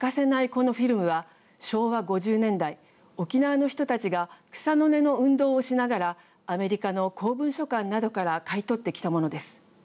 このフィルムは昭和５０年代沖縄の人たちが草の根の運動をしながらアメリカの公文書館などから買い取ってきたものです。